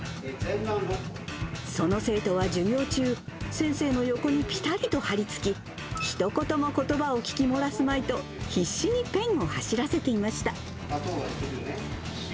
その生徒は授業中、先生の横にぴたりと張り付き、ひと言もことばを聞き漏らすまいと、必死にペンを走らせていました。